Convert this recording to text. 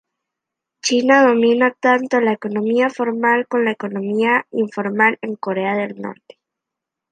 China domina tanto la economía formal con la economía informal en Corea del Norte.